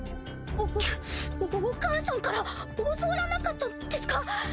おおおお母さんから教わらなかったんですか？